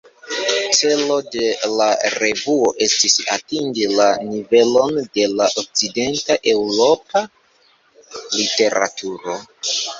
Celo de la revuo estis atingi la nivelon de la okcident-Eŭropa literaturo.